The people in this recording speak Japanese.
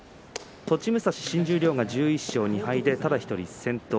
栃武蔵新十両で１１勝２敗でただ１人先頭。